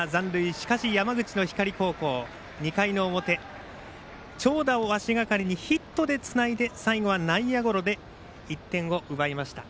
しかし山口の光高校２回の表、長打を足がかりにヒットでつないで最後は内野ゴロで１点を奪いました。